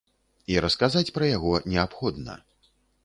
І расказаць пра яго неабходна.